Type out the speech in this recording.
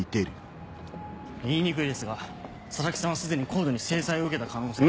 言いにくいですが佐々木さんは既にＣＯＤＥに制裁を受けた可能性が。